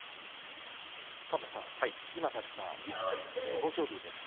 今、勝った豊昇龍です。